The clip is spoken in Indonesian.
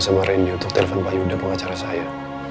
sama randy untuk telepon pak yuda pengacara saya